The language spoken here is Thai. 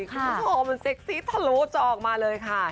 คุณผู้ชมมันเซ็กซี่ทะลุจอออกมาเลยค่ะ